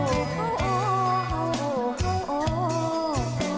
แบ่งหมอรถหวั่งสลานดิน